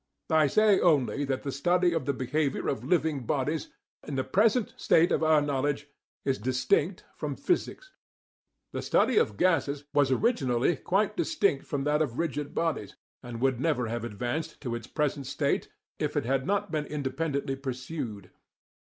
I say only that the study of the behaviour of living bodies, in the present state of our knowledge, is distinct from physics. The study of gases was originally quite distinct from that of rigid bodies, and would never have advanced to its present state if it had not been independently pursued.